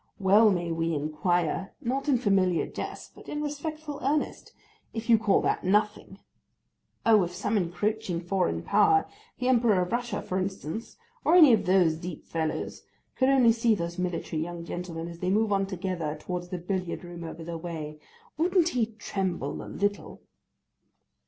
Well may we inquire—not in familiar jest, but in respectful earnest—if you call that nothing. Oh! if some encroaching foreign power—the Emperor of Russia, for instance, or any of those deep fellows, could only see those military young gentlemen as they move on together towards the billiard room over the way, wouldn't he tremble a little!